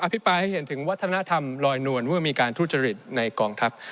พิปรายให้เห็นถึงวัฒนธรรมลอยนวลเมื่อมีการทุจริตในกองทัพ